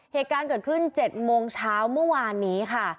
เหตุการณ์เกิดขึ้น๗โมงเช้าเมื่อวานนี้ค่ะ